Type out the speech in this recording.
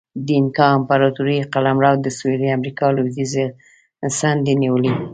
د اینکا امپراتورۍ قلمرو د سویلي امریکا لوېدیځې څنډې نیولې.